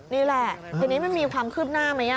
นี่แหละทีนี้มันมีความคืบหน้าไหม